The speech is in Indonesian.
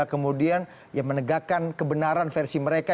kemudian ya menegakkan kebenaran versi mereka